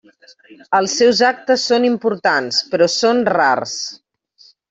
Els seus actes són importants, però són rars.